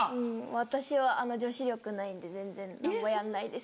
私は女子力ないんで全然何もやんないです。